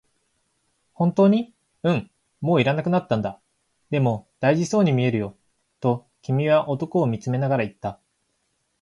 「本当に？」、「うん、もう要らなくなったんだ」、「でも、大事そうに見えるよ」と君は男を見つめながら言った。